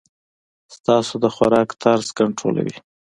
ستاسي د خوراک طرز کنټرولوی.